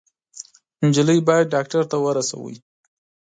_نجلۍ بايد ډاکټر ته ورسوئ!